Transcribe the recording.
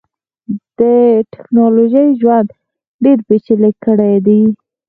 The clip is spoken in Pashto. ټکنالوژۍ ژوند ډیر پېچلی کړیدی.